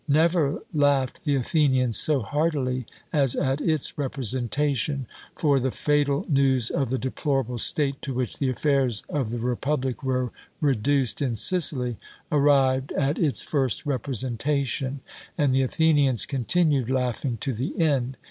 Never laughed the Athenians so heartily as at its representation, for the fatal news of the deplorable state to which the affairs of the republic were reduced in Sicily arrived at its first representation and the Athenians continued laughing to the end!